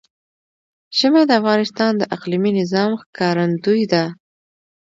ژمی د افغانستان د اقلیمي نظام ښکارندوی ده.